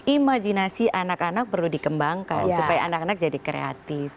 imajinasi anak anak perlu dikembangkan supaya anak anak jadi kreatif